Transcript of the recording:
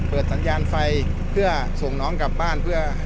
เปิดสัญญาณไฟเพื่อส่งน้องกลับบ้าน